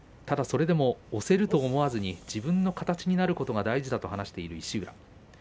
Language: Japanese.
ただそれでも、押せると思わず自分の形になることが大事だと話している石浦。